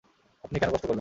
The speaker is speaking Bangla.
আপনি কেন কষ্ট করবেন?